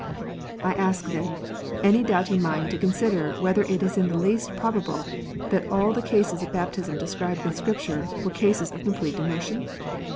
I ask, then, any doubting mind to consider whether it is in the least probable that all the cases of baptism described in Scripture were cases of complete immersion